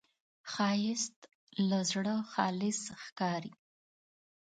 ښایست له زړه خالص ښکاري